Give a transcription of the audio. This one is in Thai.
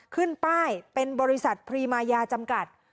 ขึ้นป้ายเป็นบริษัทพรีมายาจำกัด